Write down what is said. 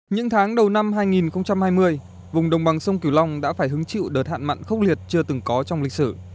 những tháng đầu năm hai nghìn hai mươi vùng đồng bằng sông kiều long đã phải hứng chịu đợt hạn mặn khốc liệt chưa từng có trong lịch sử